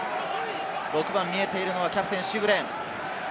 ６番、見えているのはキャプテン、シグレン。